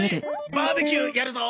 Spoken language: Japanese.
バーベキューやるぞ！